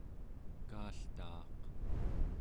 kaaltaaq